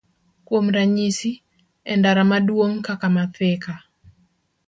Kaka ranyisi, e ndara maduong' kaka ma Thika,